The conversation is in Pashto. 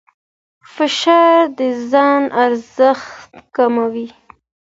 فشار د ځان ارزښت کموي.